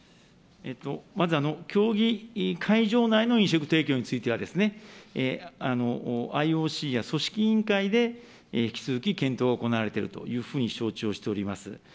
まず、競技会場内の飲食提供については、ＩＯＣや組織委員会で引き続き検討が行われているというふうに承知をしております。